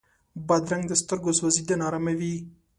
بادرنګ د سترګو سوځېدنه اراموي.